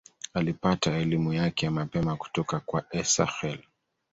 Alipata elimu yake ya mapema kutoka kwa Esakhel.